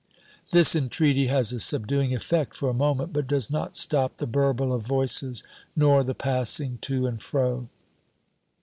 This entreaty has a subduing effect for a moment, but does not stop the burble of voices nor the passing to and fro.